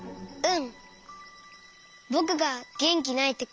うん。